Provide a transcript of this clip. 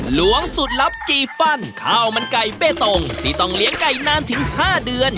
หลวงสุดลับจีฟันข้าวมันไก่เบตงที่ต้องเลี้ยงไก่นานถึง๕เดือน